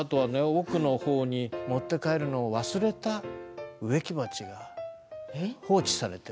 奥の方に持って帰るのを忘れた植木鉢が放置されてる。